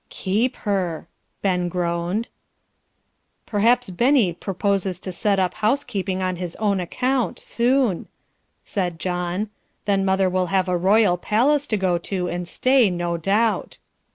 "Keep her!" Ben groaned. "Perhaps Benny proposes to set up housekeeping on his own account, soon," said John, "then mother will have a royal place to go to, and stay, no doubt."